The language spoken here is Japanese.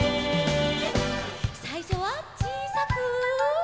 さいしょはちいさく。